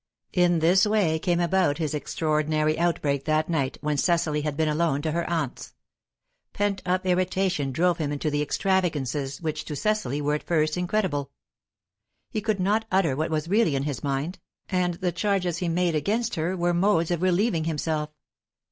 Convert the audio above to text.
In this way came about his extraordinary outbreak that night when Cecily had been alone to her aunt's. Pent up irritation drove him into the extravagances which to Cecily were at first incredible. He could not utter what was really in his mind, and the charges he made against her were modes of relieving himself.